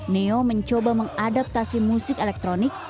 neo mencoba mengadaptasi musik elektronik